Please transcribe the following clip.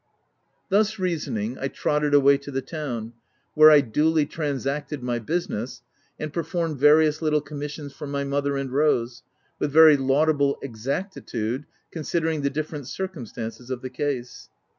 Thus reasoning, I trotted away to the town, where I duly transacted my business, and per 248 THE TEXANT formed various little commissions for my mother and Rose, with very laudable exactitude, con sidering the different circumstances of the case.